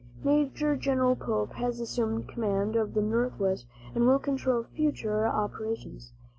"Major General Pope has assumed command of the Northwest, and will control future operations.